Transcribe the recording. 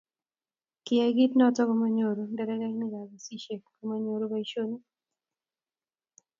kiyai kiit nito komanyoru nderebaikab basisiek ko manyoru boisionik.